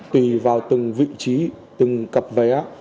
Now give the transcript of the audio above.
tùy vào từng vị trí từng cặp vé